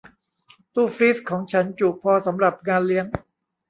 ตู้ฟรีซของฉันจุพอสำหรับงานเลี้ยง